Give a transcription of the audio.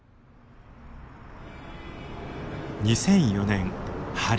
２００４年春。